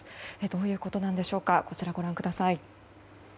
どういうことなんでしょうかご覧ください。